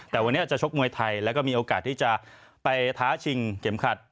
แต่วันนี้จะชกมวยไทยแล้วก็มีโอกาสที่จะไปท้าชิงเข็มขัด